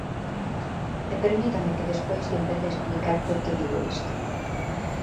E permítame que despois lle empece a explicar por que digo isto.